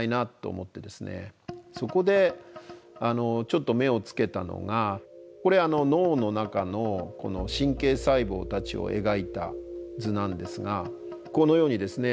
そこでちょっと目をつけたのがこれ脳の中の神経細胞たちを描いた図なんですがこのようにですね